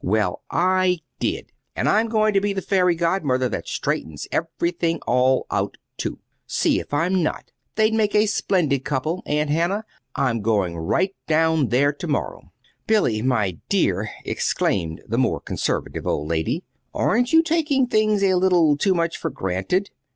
"Well, I did. And I'm going to be the fairy godmother that straightens everything all out, too. See if I'm not! They'd make a splendid couple, Aunt Hannah. I'm going right down there to morrow." "Billy, my dear!" exclaimed the more conservative old lady, "aren't you taking things a little too much for granted?